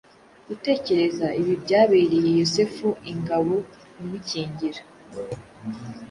Gutekereza ibi byabereye Yosefu ingabo imukingira